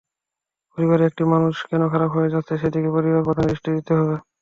পরিবারে একটি মানুষ কেন খারাপ হয়ে যাচ্ছে, সেদিকে পরিবারপ্রধানকে দৃষ্টি দিতে হবে।